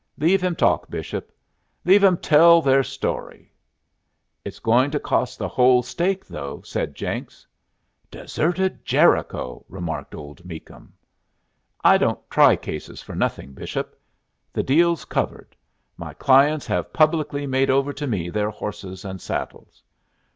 "Leave him talk, Bishop. Leave 'em all tell their story." "It's going to cost the whole stake, though," said Jenks. "Deserted Jericho!" remarked old Meakum. "I don't try cases for nothing, Bishop. The deal's covered. My clients have publicly made over to me their horses and saddles."